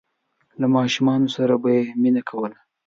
له ماشومانو سره به یې مینه کوله.